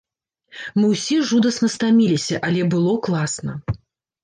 Мы ўсе жудасна стаміліся, але было класна.